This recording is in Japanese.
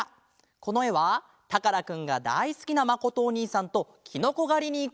このえはたからくんがだいすきなまことおにいさんときのこがりにいくところです！